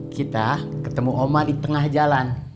kita ketemu oma di tengah jalan